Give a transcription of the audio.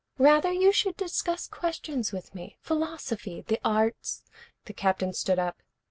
Rather you should discuss questions with me, philosophy, the arts " The Captain stood up.